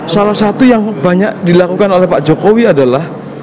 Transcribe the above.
salah satu yang banyak dilakukan oleh pak jokowi adalah